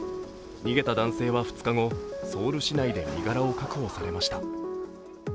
逃げた男性は２日後、ソウル市内で身柄を確保されました。